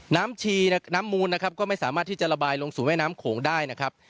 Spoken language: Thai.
น้ำมูลนะครับก็ไม่สามารถที่จะระบายลงสู่แม่น้ำโขงได้นะครับ